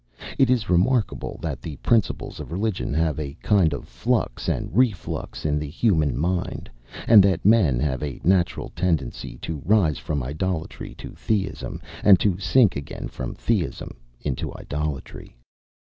It is remarkable, that the principles of religion have a kind of flux and reflux in the human mind, and that men have a natural tendency to rise from idolatry to Theism, and to sink again from Theism into idolatry.